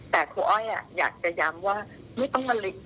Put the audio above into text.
แต่ครูอ้อยอยากจะย้ำว่าไม่ต้องมะลิ